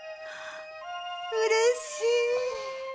うれしい！